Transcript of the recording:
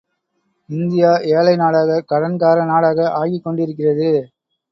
India ஏழை நாடாக, கடன்கார நாடாக ஆகிக்கொண்டிருக்கிறது!